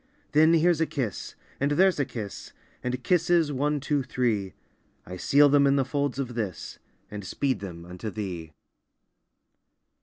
Then here's a kiss! and there's a kiss! And kisses, one, two, three! I seal them in the folds of this, And speed them unto thee!